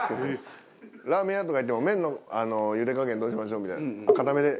ラーメン屋とか行っても「麺の茹で加減どうしましょう」「硬めで！」